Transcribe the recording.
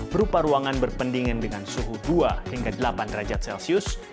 berupa ruangan berpendingin dengan suhu dua hingga delapan derajat celcius